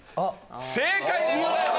正解でございます！